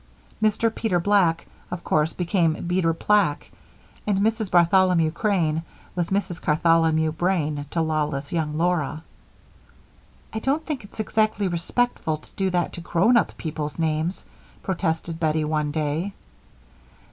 Mr. Peter Black, of course, became Beter Plack, and Mrs. Bartholomew Crane was Mrs. Cartholomew Brane, to lawless young Laura. "I don't think it's exactly respectful to do that to grown up people's names," protested Bettie, one day.